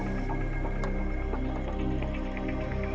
dan juga untuk menjaga kembang